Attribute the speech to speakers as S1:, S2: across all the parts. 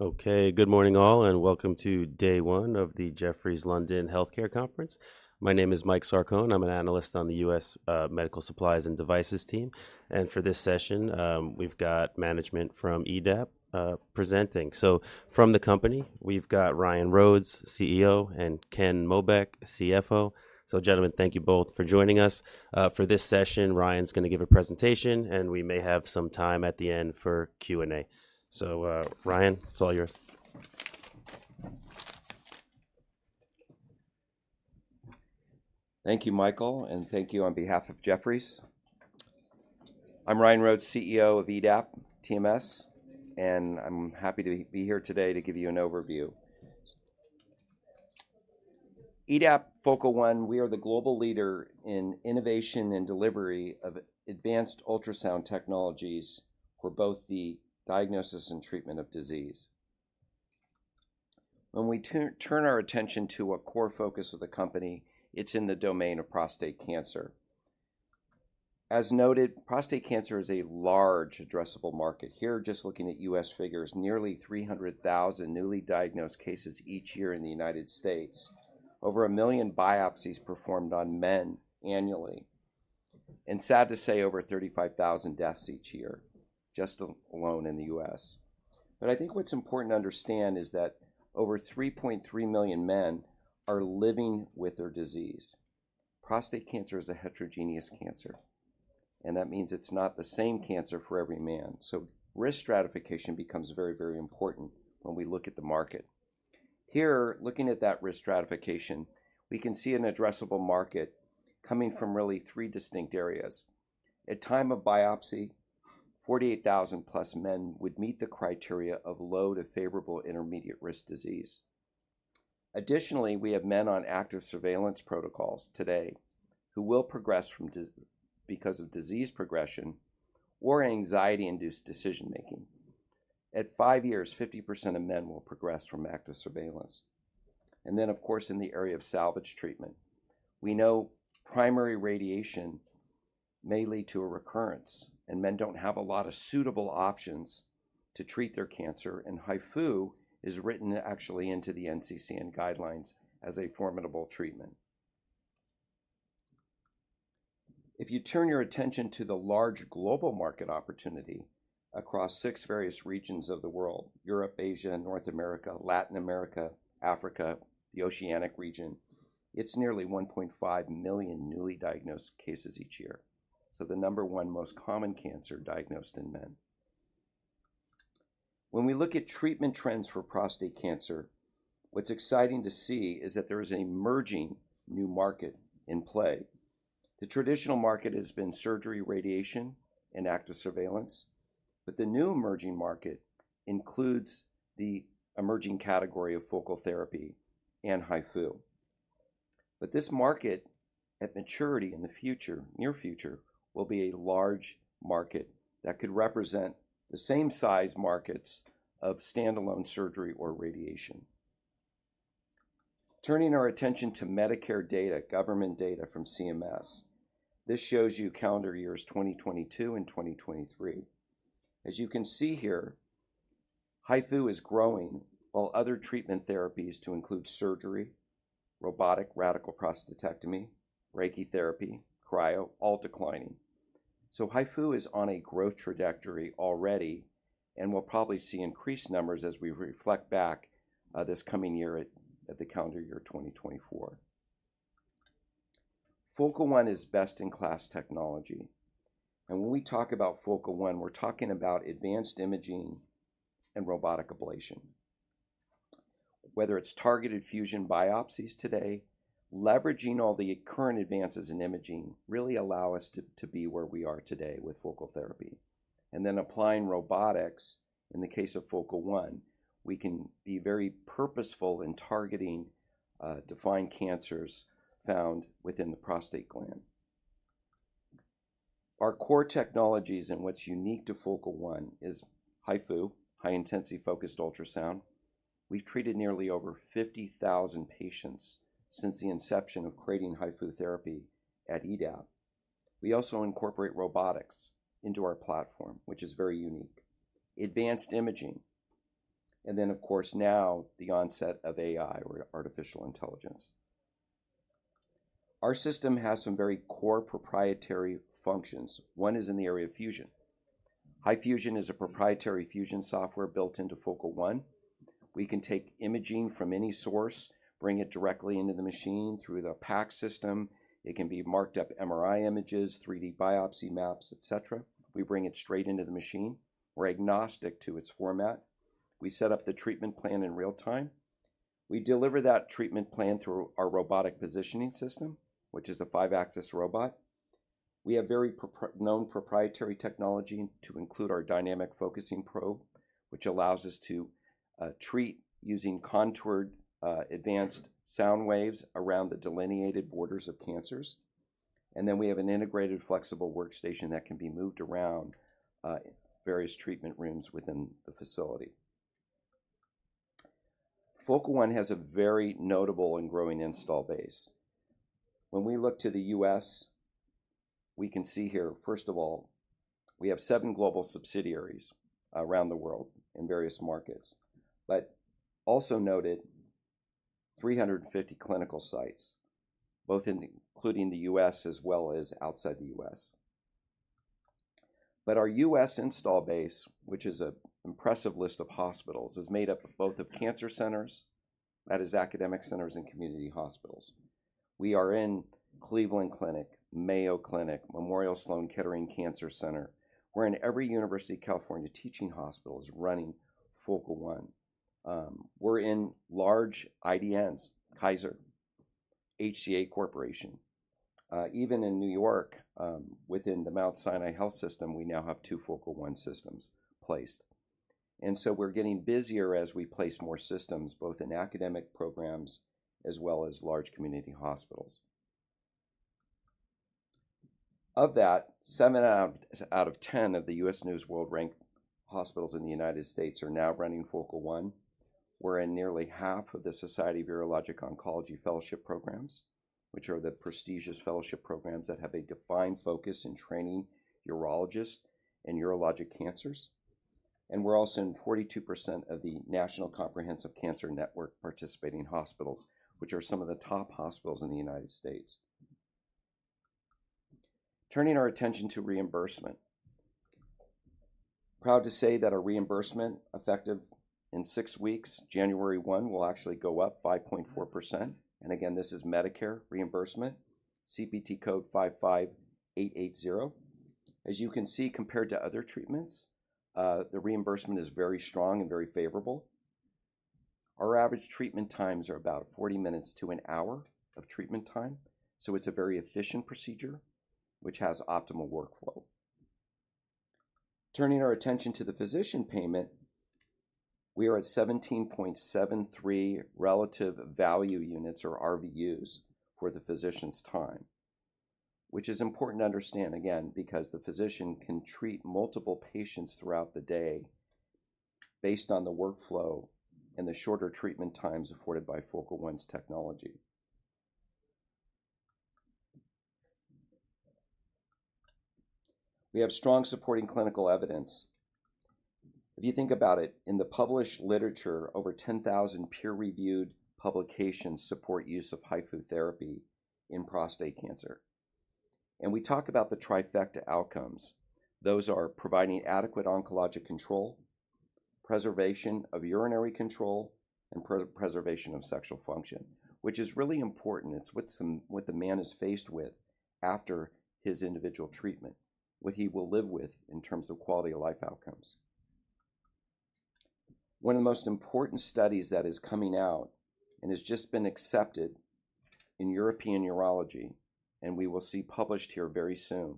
S1: Okay, good morning all, and welcome to day one of the Jefferies London Healthcare Conference. My name is Mike Sarcone. I'm an analyst on the U.S. Medical Supplies and Devices team, and for this session, we've got management from EDAP presenting. So from the company, we've got Ryan Rhodes, CEO, and Ken Mobeck, CFO. So gentlemen, thank you both for joining us. For this session, Ryan's going to give a presentation, and we may have some time at the end for Q&A. So Ryan, it's all yours.
S2: Thank you, Michael, and thank you on behalf of Jefferies. I'm Ryan Rhodes, CEO of EDAP TMS, and I'm happy to be here today to give you an overview. EDAP Focal One, we are the global leader in innovation and delivery of advanced ultrasound technologies for both the diagnosis and treatment of disease. When we turn our attention to a core focus of the company, it's in the domain of prostate cancer. As noted, prostate cancer is a large addressable market. Here, just looking at U.S. figures, nearly 300,000 newly diagnosed cases each year in the United States, over 1 million biopsies performed on men annually, and sad to say, over 35,000 deaths each year just alone in the U.S. But I think what's important to understand is that over 3.3 million men are living with their disease. Prostate cancer is a heterogeneous cancer, and that means it's not the same cancer for every man. So risk stratification becomes very, very important when we look at the market. Here, looking at that risk stratification, we can see an addressable market coming from really three distinct areas. At the time of biopsy, 48,000 + men would meet the criteria of low to favorable intermediate risk disease. Additionally, we have men on active surveillance protocols today who will progress because of disease progression or anxiety-induced decision-making. At five years, 50% of men will progress from active surveillance. And then, of course, in the area of salvage treatment, we know primary radiation may lead to a recurrence, and men don't have a lot of suitable options to treat their cancer, and HIFU is written actually into the NCCN guidelines as a formidable treatment. If you turn your attention to the large global market opportunity across six various regions of the world (Europe, Asia, North America, Latin America, Africa, the Oceanic region), it's nearly 1.5 million newly diagnosed cases each year. So the number one most common cancer diagnosed in men. When we look at treatment trends for prostate cancer, what's exciting to see is that there is an emerging new market in play. The traditional market has been surgery, radiation, and active surveillance, but the new emerging market includes the emerging category of focal therapy and HIFU. But this market, at maturity in the near future, will be a large market that could represent the same size markets of standalone surgery or radiation. Turning our attention to Medicare data, government data from CMS, this shows you calendar years 2022 and 2023. As you can see here, HIFU is growing, while other treatment therapies, to include surgery, robotic radical prostatectomy, brachytherapy, cryo, are all declining, so HIFU is on a growth trajectory already and will probably see increased numbers as we reflect back this coming year at the calendar year 2024. Focal One is best-in-class technology, and when we talk about Focal One, we're talking about advanced imaging and robotic ablation. Whether it's targeted fusion biopsies today, leveraging all the current advances in imaging really allows us to be where we are today with focal therapy, and then applying robotics in the case of Focal One, we can be very purposeful in targeting defined cancers found within the prostate gland. Our core technologies and what's unique to Focal One is HIFU, high-intensity focused ultrasound. We've treated nearly over 50,000 patients since the inception of creating HIFU therapy at EDAP. We also incorporate robotics into our platform, which is very unique. Advanced imaging, and then, of course, now the onset of AI or artificial intelligence. Our system has some very core proprietary functions. One is in the area of fusion. HIFU is a proprietary fusion software built into Focal One. We can take imaging from any source, bring it directly into the machine through the PACS system. It can be marked up MRI images, 3D biopsy maps, etc. We bring it straight into the machine. We're agnostic to its format. We set up the treatment plan in real time. We deliver that treatment plan through our robotic positioning system, which is a five-axis robot. We have very known proprietary technology to include our dynamic focusing probe, which allows us to treat using contoured advanced sound waves around the delineated borders of cancers. Then we have an integrated flexible workstation that can be moved around various treatment rooms within the facility. Focal One has a very notable and growing install base. When we look to the U.S., we can see here, first of all, we have seven global subsidiaries around the world in various markets, but also noted 350 clinical sites, both including the U.S. as well as outside the U.S. Our U.S. install base, which is an impressive list of hospitals, is made up both of cancer centers, that is, academic centers and community hospitals. We are in Cleveland Clinic, Mayo Clinic, Memorial Sloan Kettering Cancer Center. We're in every University of California teaching hospital running Focal One. We're in large IDNs, Kaiser, HCA Corporation. Even in New York, within the Mount Sinai Health System, we now have two Focal One systems placed. And so we're getting busier as we place more systems, both in academic programs as well as large community hospitals. Of that, seven out of ten of the U.S. News & World Report hospitals in the United States are now running Focal One. We're in nearly half of the Society of Urologic Oncology Fellowship programs, which are the prestigious fellowship programs that have a defined focus in training urologists and urologic cancers. And we're also in 42% of the National Comprehensive Cancer Network participating hospitals, which are some of the top hospitals in the United States. Turning our attention to reimbursement. Proud to say that our reimbursement, effective in six weeks, January 1, will actually go up 5.4%. And again, this is Medicare reimbursement, CPT code 55880. As you can see, compared to other treatments, the reimbursement is very strong and very favorable. Our average treatment times are about 40 minutes to an hour of treatment time, so it's a very efficient procedure, which has optimal workflow. Turning our attention to the physician payment, we are at 17.73 relative value units or RVUs for the physician's time, which is important to understand, again, because the physician can treat multiple patients throughout the day based on the workflow and the shorter treatment times afforded by Focal One's technology. We have strong supporting clinical evidence. If you think about it, in the published literature, over 10,000 peer-reviewed publications support use of HIFU therapy in prostate cancer. And we talk about the trifecta outcomes. Those are providing adequate oncologic control, preservation of urinary control, and preservation of sexual function, which is really important. It's what the man is faced with after his individual treatment, what he will live with in terms of quality of life outcomes. One of the most important studies that is coming out and has just been accepted in European Urology, and we will see published here very soon,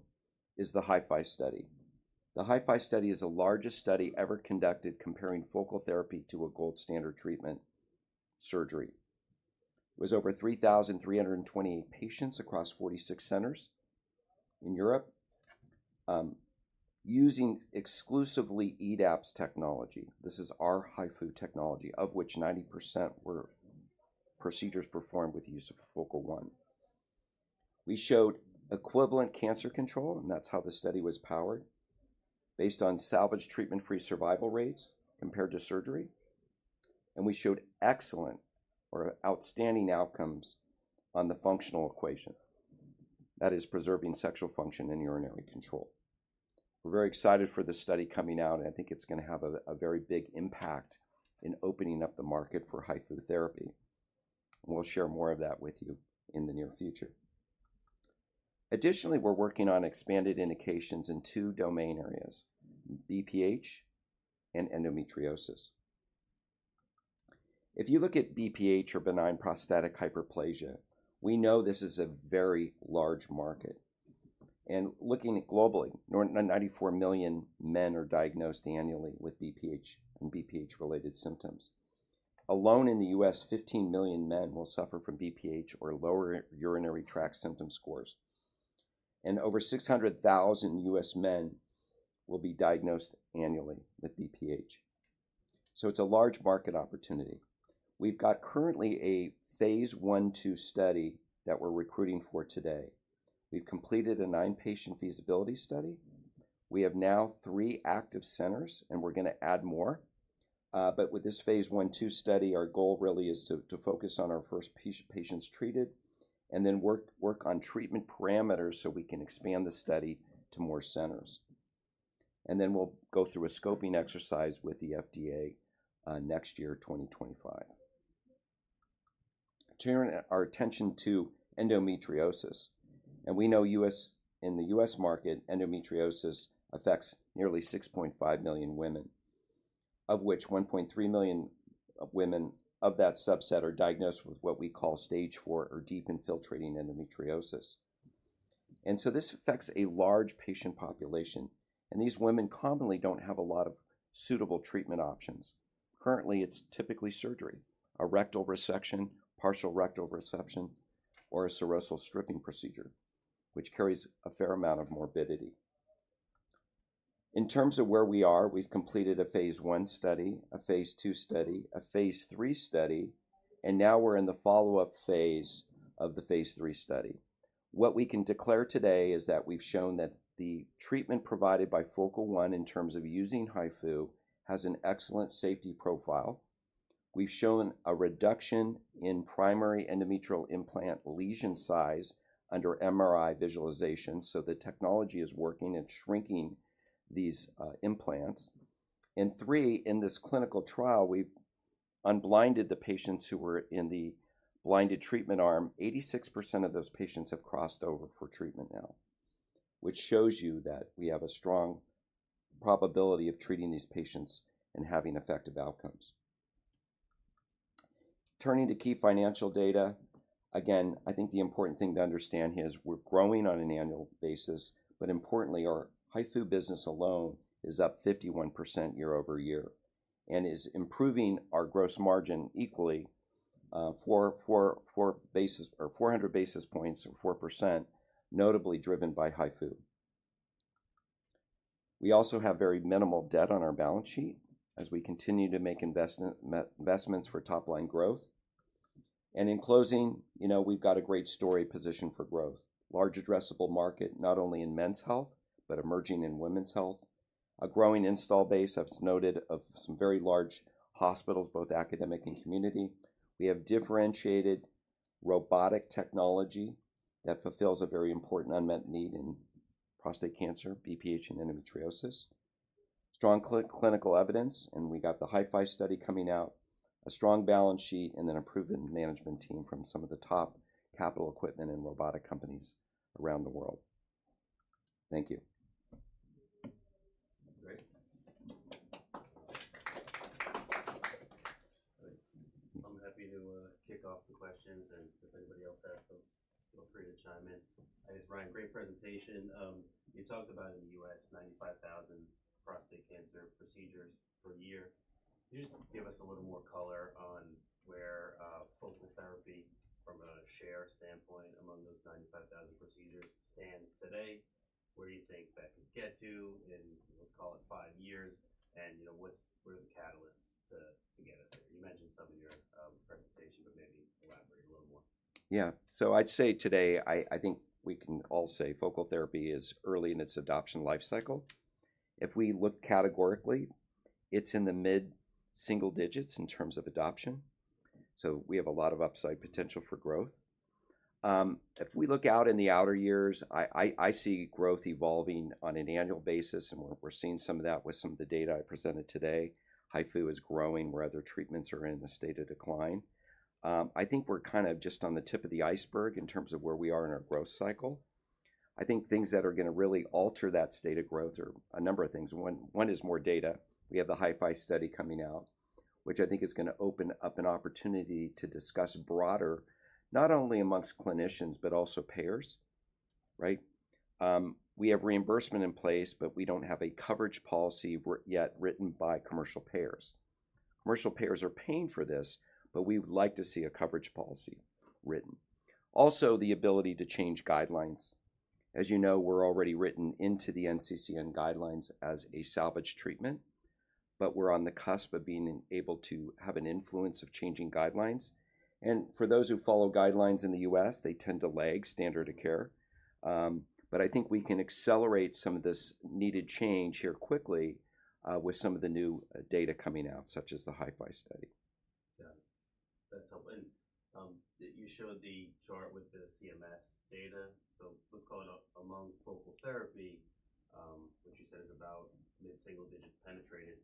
S2: is the HIFI study. The HIFI study is the largest study ever conducted comparing focal therapy to a gold standard treatment surgery. It was over 3,328 patients across 46 centers in Europe using exclusively EDAP TMS. This is our HIFU technology, of which 90% were procedures performed with the use of Focal One. We showed equivalent cancer control, and that's how the study was powered, based on salvage treatment-free survival rates compared to surgery, and we showed excellent or outstanding outcomes on the functional outcomes, that is, preserving sexual function and urinary control. We're very excited for the study coming out, and I think it's going to have a very big impact in opening up the market for HIFU therapy. We'll share more of that with you in the near future. Additionally, we're working on expanded indications in two domain areas: BPH and endometriosis. If you look at BPH or benign prostatic hyperplasia, we know this is a very large market, and looking globally, 94 million men are diagnosed annually with BPH and BPH-related symptoms. Alone in the U.S., 15 million men will suffer from BPH or lower urinary tract symptom scores, and over 600,000 U.S. men will be diagnosed annually with BPH, so it's a large market opportunity. We've got currently a phase I/II study that we're recruiting for today. We've completed a nine-patient feasibility study. We have now three active centers, and we're going to add more. But with this phase I/II study, our goal really is to focus on our first patients treated and then work on treatment parameters so we can expand the study to more centers. And then we'll go through a scoping exercise with the FDA next year, 2025. Turning our attention to endometriosis. And we know in the U.S. market, endometriosis affects nearly 6.5 million women, of which 1.3 million women of that subset are diagnosed with what we call stage four or deep infiltrating endometriosis. And so this affects a large patient population. And these women commonly don't have a lot of suitable treatment options. Currently, it's typically surgery: a rectal resection, partial rectal resection, or a serosal stripping procedure, which carries a fair amount of morbidity. In terms of where we are, we've completed a phase I study, a phase II study, a phase III study, and now we're in the follow-up phase of the phase III study. What we can declare today is that we've shown that the treatment provided by Focal One in terms of using HIFU has an excellent safety profile. We've shown a reduction in primary endometriotic implant lesion size under MRI visualization, so the technology is working at shrinking these implants. And three, in this clinical trial, we've unblinded the patients who were in the blinded treatment arm. 86% of those patients have crossed over for treatment now, which shows you that we have a strong probability of treating these patients and having effective outcomes. Turning to key financial data, again, I think the important thing to understand here is we're growing on an annual basis, but importantly, our HIFU business alone is up 51% year-over-year and is improving our gross margin equally for 400 basis points or 4%, notably driven by HIFU. We also have very minimal debt on our balance sheet as we continue to make investments for top-line growth. And in closing, we've got a great story position for growth: large addressable market not only in men's health, but emerging in women's health. A growing install base I've noted of some very large hospitals, both academic and community. We have differentiated robotic technology that fulfills a very important unmet need in prostate cancer, BPH, and endometriosis. Strong clinical evidence, and we got the HIFI study coming out, a strong balance sheet, and an approved management team from some of the top capital equipment and robotic companies around the world. Thank you.
S1: Great. I'm happy to kick off the questions, and if anybody else has them, feel free to chime in. Hi, this is Ryan. Great presentation. You talked about in the U.S., 95,000 prostate cancer procedures per year. Can you just give us a little more color on where focal therapy, from a share standpoint, among those 95,000 procedures stands today? Where do you think that could get to in, let's call it, five years? And what are the catalysts to get us there? You mentioned some in your presentation, but maybe elaborate a little more.
S2: Yeah, so I'd say today, I think we can all say focal therapy is early in its adoption life cycle. If we look categorically, it's in the mid-single digits in terms of adoption. So we have a lot of upside potential for growth. If we look out in the outer years, I see growth evolving on an annual basis, and we're seeing some of that with some of the data I presented today. HIFU is growing where other treatments are in a state of decline. I think we're kind of just on the tip of the iceberg in terms of where we are in our growth cycle. I think things that are going to really alter that state of growth are a number of things. One is more data. We have the HIFI study coming out, which I think is going to open up an opportunity to discuss broader, not only amongst clinicians, but also payers. Right? We have reimbursement in place, but we don't have a coverage policy yet written by commercial payers. Commercial payers are paying for this, but we would like to see a coverage policy written. Also, the ability to change guidelines. As you know, we're already written into the NCCN guidelines as a salvage treatment, but we're on the cusp of being able to have an influence of changing guidelines. And for those who follow guidelines in the U.S., they tend to lag standard of care. But I think we can accelerate some of this needed change here quickly with some of the new data coming out, such as the HIFI study. Yeah. That's helpful. And you showed the chart with the CMS data. So let's call it among focal therapy, which you said is about mid-single digit penetrated.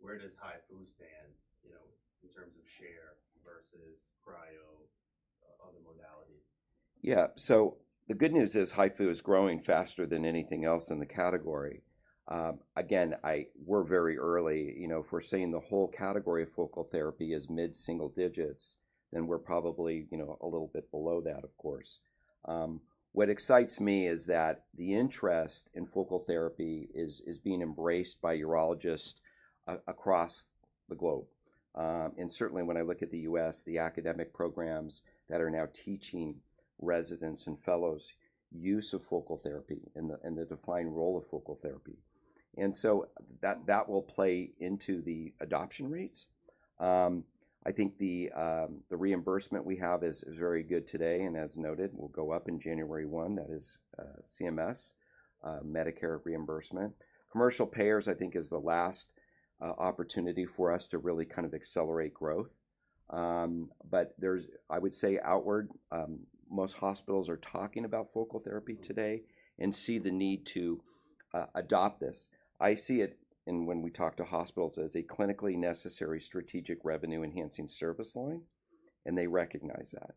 S2: Where does HIFU stand in terms of share versus cryo, other modalities? Yeah. So the good news is HIFU is growing faster than anything else in the category. Again, we're very early. If we're saying the whole category of focal therapy is mid-single digits, then we're probably a little bit below that, of course. What excites me is that the interest in focal therapy is being embraced by urologists across the globe. And certainly, when I look at the U.S., the academic programs that are now teaching residents and fellows use of focal therapy and the defined role of focal therapy. And so that will play into the adoption rates. I think the reimbursement we have is very good today and, as noted, will go up in January 1. That is CMS, Medicare reimbursement. Commercial payers, I think, is the last opportunity for us to really kind of accelerate growth. But I would say outward, most hospitals are talking about focal therapy today and see the need to adopt this. I see it, and when we talk to hospitals, as a clinically necessary strategic revenue-enhancing service line, and they recognize that.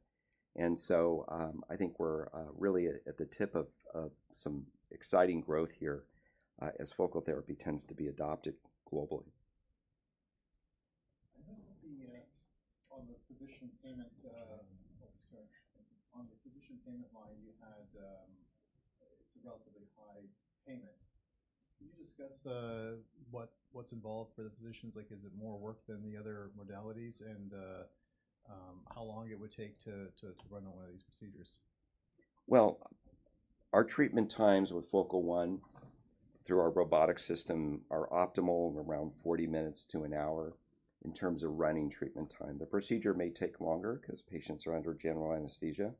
S2: And so I think we're really at the tip of some exciting growth here as focal therapy tends to be adopted globally. I noticed on the physician payment on the physician payment line, you had it's a relatively high payment. Can you discuss what's involved for the physicians? Is it more work than the other modalities? And how long it would take to run one of these procedures? Well, our treatment times with Focal One through our robotic system are optimal around 40 minutes to an hour in terms of running treatment time. The procedure may take longer because patients are under general anesthesia.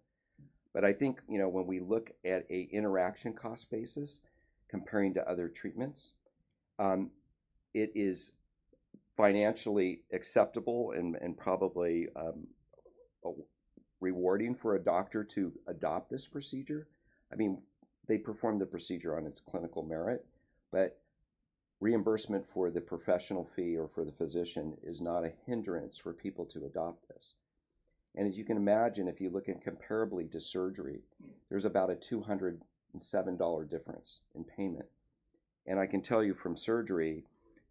S2: But I think when we look at an interventional cost basis comparing to other treatments, it is financially acceptable and probably rewarding for a doctor to adopt this procedure. I mean, they perform the procedure on its clinical merit, but reimbursement for the professional fee or for the physician is not a hindrance for people to adopt this. And as you can imagine, if you look at comparable to surgery, there's about a $207 difference in payment. And I can tell you from surgery,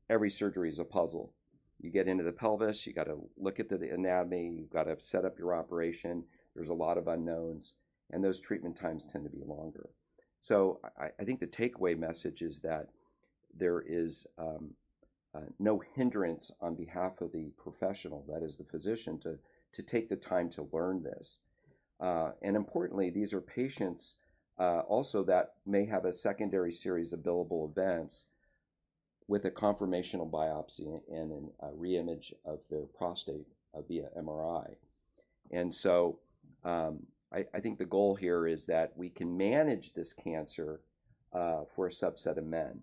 S2: every surgery is a puzzle. You get into the pelvis, you got to look at the anatomy, you've got to set up your operation. There's a lot of unknowns, and those treatment times tend to be longer. So I think the takeaway message is that there is no hindrance on behalf of the professional, that is, the physician, to take the time to learn this. Importantly, these are patients also that may have a secondary series of billable events with a confirmational biopsy and a reimage of their prostate via MRI. So I think the goal here is that we can manage this cancer for a subset of men.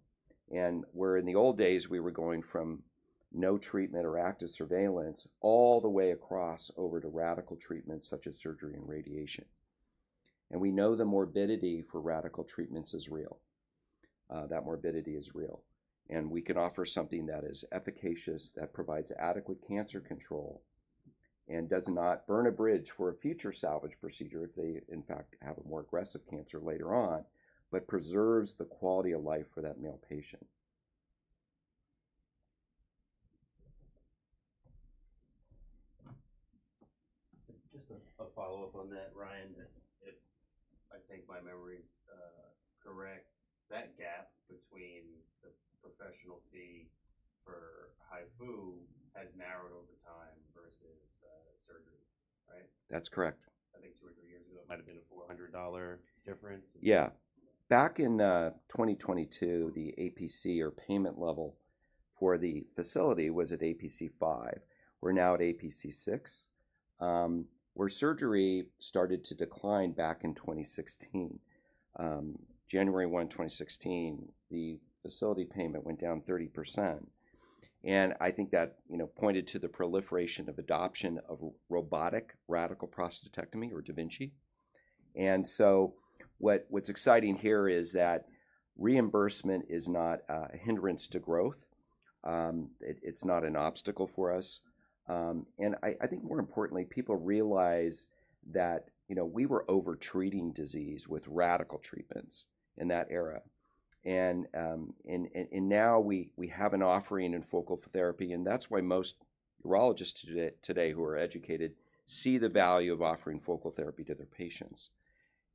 S2: Where in the old days, we were going from no treatment or active surveillance all the way across over to radical treatments such as surgery and radiation. We know the morbidity for radical treatments is real. That morbidity is real. We can offer something that is efficacious, that provides adequate cancer control and does not burn a bridge for a future salvage procedure if they, in fact, have a more aggressive cancer later on, but preserves the quality of life for that male patient. Just a follow-up on that, Ryan. If I think my memory is correct, that gap between the professional fee for HIFU has narrowed over time versus surgery, right? That's correct. I think two or three years ago, it might have been a $400 difference. Yeah. Back in 2022, the APC or payment level for the facility was at APC 5. We're now at APC 6, where surgery started to decline back in 2016. January 1, 2016, the facility payment went down 30%. And I think that pointed to the proliferation of adoption of robotic radical prostatectomy or da Vinci. And so what's exciting here is that reimbursement is not a hindrance to growth. It's not an obstacle for us. And I think more importantly, people realize that we were overtreating disease with radical treatments in that era. And now we have an offering in focal therapy, and that's why most urologists today who are educated see the value of offering focal therapy to their patients.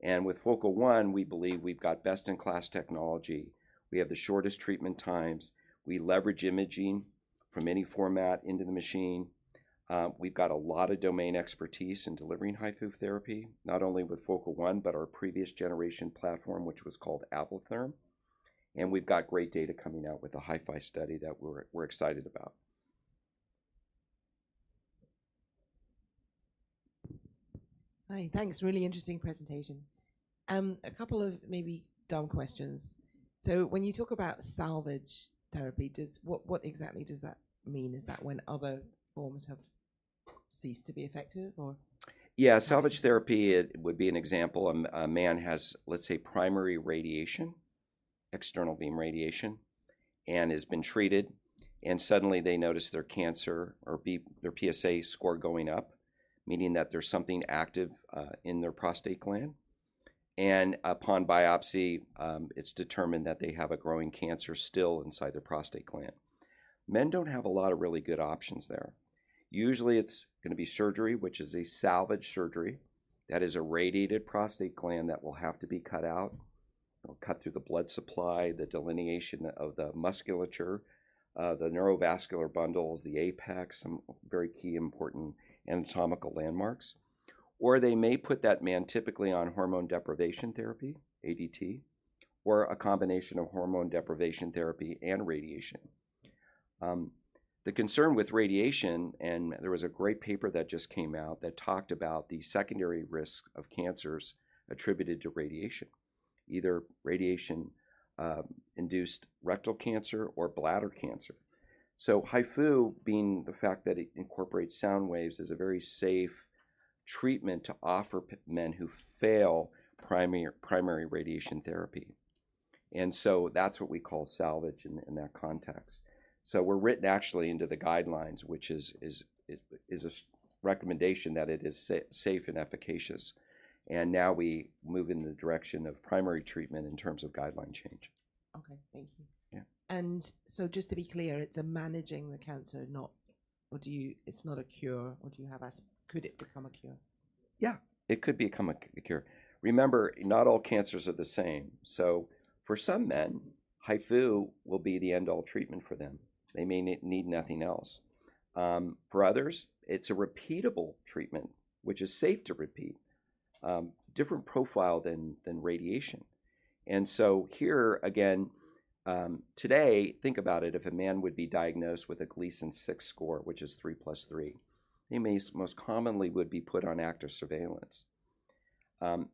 S2: And with Focal One, we believe we've got best-in-class technology. We have the shortest treatment times. We leverage imaging from any format into the machine. We've got a lot of domain expertise in delivering HIFU therapy, not only with Focal One, but our previous generation platform, which was called Ablatherm. And we've got great data coming out with the HIFI study that we're excited about. Hi. Thanks. Really interesting presentation. A couple of maybe dumb questions. So when you talk about salvage therapy, what exactly does that mean? Is that when other forms have ceased to be effective, or? Yeah. Salvage therapy would be an example. A man has, let's say, primary radiation, external beam radiation, and has been treated. Suddenly they notice their cancer or their PSA score going up, meaning that there's something active in their prostate gland. Upon biopsy, it's determined that they have a growing cancer still inside their prostate gland. Men don't have a lot of really good options there. Usually, it's going to be surgery, which is a salvage surgery. That is a radiated prostate gland that will have to be cut out. It'll cut through the blood supply, the delineation of the musculature, the neurovascular bundles, the apex, some very key important anatomical landmarks. Or they may put that man typically on hormone deprivation therapy, ADT, or a combination of hormone deprivation therapy and radiation. The concern with radiation, and there was a great paper that just came out that talked about the secondary risk of cancers attributed to radiation, either radiation-induced rectal cancer or bladder cancer. HIFU, being the fact that it incorporates sound waves, is a very safe treatment to offer men who fail primary radiation therapy. And so that's what we call salvage in that context. So we're written actually into the guidelines, which is a recommendation that it is safe and efficacious. And now we move in the direction of primary treatment in terms of guideline change. Okay. Thank you. And so just to be clear, it's managing the cancer, not. It's not a cure. Or could it become a cure? Yeah. It could become a cure. Remember, not all cancers are the same. So for some men, HIFU will be the end-all treatment for them. They may need nothing else. For others, it's a repeatable treatment, which is safe to repeat, different profile than radiation. And so here, again, today, think about it. If a man would be diagnosed with a Gleason 6 score, which is 3 + 3, he most commonly would be put on active surveillance.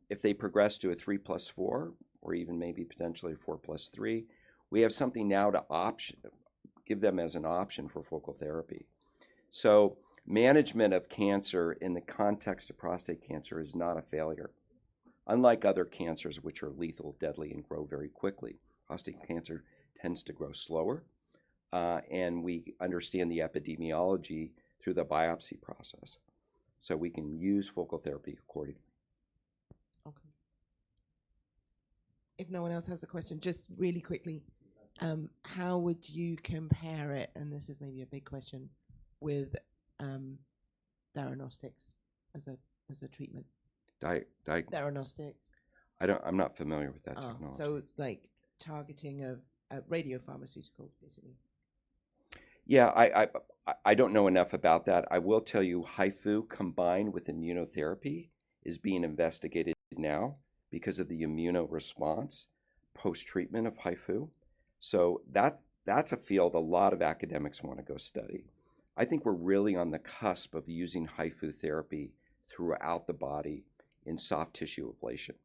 S2: If they progress to a 3 + 4, or even maybe potentially a 4 + 3, we have something now to give them as an option for focal therapy. So management of cancer in the context of prostate cancer is not a failure. Unlike other cancers, which are lethal, deadly, and grow very quickly, prostate cancer tends to grow slower. And we understand the epidemiology through the biopsy process. So we can use focal therapy accordingly. Okay. If no one else has a question, just really quickly, how would you compare it, and this is maybe a big question, with diagnostics as a treatment? Diagnostics? I'm not familiar with that technology. So targeting of radiopharmaceuticals, basically. Yeah. I don't know enough about that. I will tell you, HIFU combined with immunotherapy is being investigated now because of the immune response post-treatment of HIFU. So that's a field a lot of academics want to go study. I think we're really on the cusp of using HIFU therapy throughout the body in soft tissue ablation.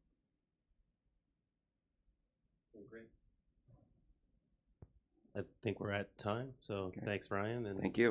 S1: I think we're at time. So thanks, Ryan. And.